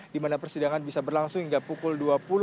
dimana persidangan bisa berlangsung hingga pukul dua puluh